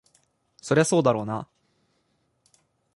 そりゃそうだろうな。